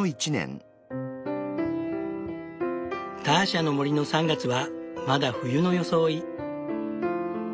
ターシャの森の３月はまだ冬の装い。